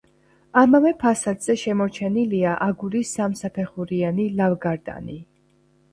ამავე ფასადზე შემორჩენილია აგურის სამსაფეხურიანი ლავგარდანი.